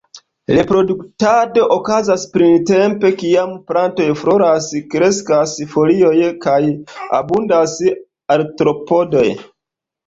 Reproduktado okazas printempe kiam plantoj floras, kreskas folioj kaj abundas artropodoj.